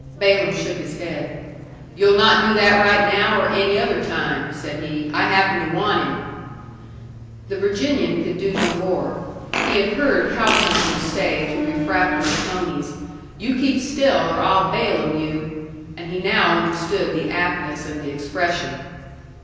Balaam shook his head. "You'll not do that right now or any other time," said he. "I happen to want him." The Virginian could do no more. He had heard cow punchers say to refractory ponies, "You keep still, or I'll Balaam you!" and he now understood the aptness of the expression.